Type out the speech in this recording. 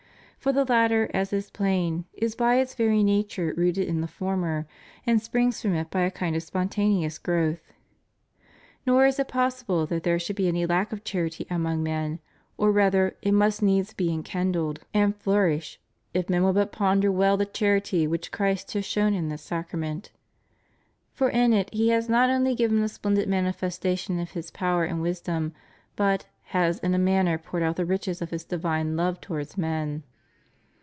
For the latter, as is plain, is by its very nature rooted in the former, and springs from it by a kind of spontaneous growth. Nor is it possible that there should be any lack of charity among men, or rather it must needs be enkindled and 1 1 Tim. vi. 10. * 2 Cor. viii. U, 528 THE MOST HOLY EUCHARIST. flourish, if men would but ponder well the charity which Christ has shown in this Sacrament. For in it He has not only given a splendid manifestation of His power and wisdom, but "has in a manner poured out the riches of His divine love towards men."